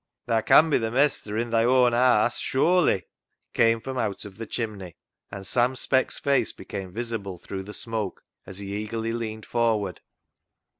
" Tha can be th' mestur i' thi own haase sure/z'," came from out of the chimney, and Sam Speck's face became visible through the smoke as he eagerly leaned forward.